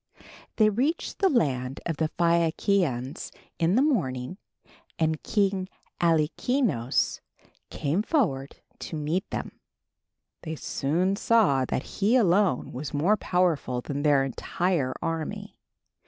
They reached the land of the Phaiakians in the morning and King Alkinoös came forward to meet them. They soon saw that he alone was more powerful than their entire army.